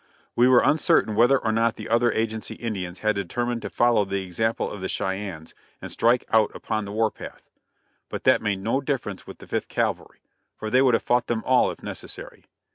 We were uncertain whether or not the other agency Indians had determined to follow the example of the Cheyennes and strike out upon the war path; but that made no difference with the Fifth Cavalry, for they would have fought them all if necessary.